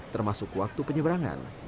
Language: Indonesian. termasuk waktu penyeberangan